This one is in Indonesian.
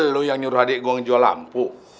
lo yang nyuruh adik gue jual lampu